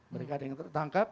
mereka ada yang tertangkap